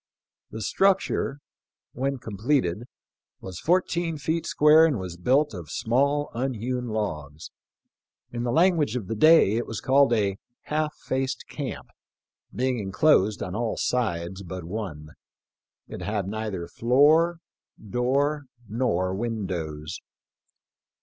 The structure, when completed, was fourteen feet square, and was built of small unhewn logs. In, the language of the day, it was called a "half faced camp," being enclosed on all sides but one. It had neither floor, door, nor windows.